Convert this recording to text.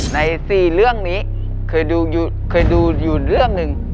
ใน๔เรื่องนี้เคยดูอยู่เรื่องหนึ่ง